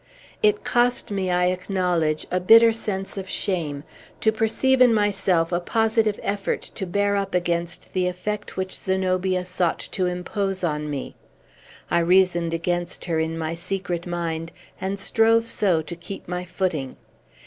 It cost me, I acknowledge, a bitter sense of shame, to perceive in myself a positive effort to bear up against the effect which Zenobia sought to impose on me. I reasoned against her, in my secret mind, and strove so to keep my footing.